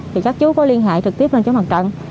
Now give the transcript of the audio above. thì các chú có liên hệ trực tiếp lên chú mặt trận